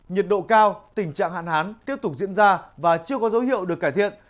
nhiệt độ cao tình trạng hạn hán tiếp tục diễn ra và chưa có dấu hiệu được cải thiện